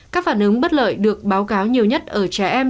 các phản ứng bất lợi được báo cáo nhiều nhất ở trẻ em